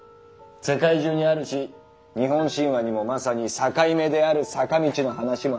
世界中にあるし日本神話にもまさに「境目」である「坂道」の話もあるしな。